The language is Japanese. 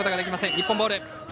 日本ボール。